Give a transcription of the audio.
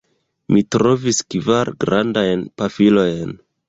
Mi trovis kvar grandajn pafilojn.